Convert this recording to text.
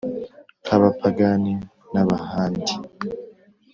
nk'abapagani n'ab'ahandi